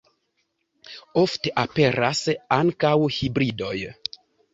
Ofte aperas ankaŭ hibridoj.